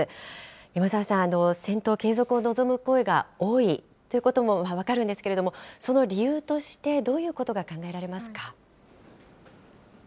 山澤さん、戦闘継続を望む声が多いということも分かるんですけれども、その理由としてどういうことが考えられますか。